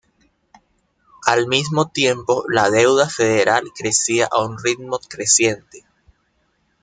Al mismo tiempo, la deuda federal crecía a un ritmo creciente.